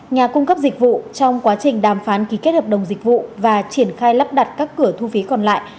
nhà cung cấp dịch vụ trong quá trình đàm phán ký kết hợp đồng dịch vụ và triển khai lắp đặt các cửa thu phí còn lại